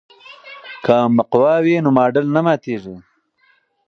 که مقوا وي نو ماډل نه ماتیږي.